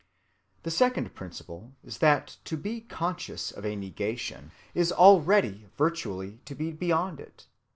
The second principle is that to be conscious of a negation is already virtually to be beyond it.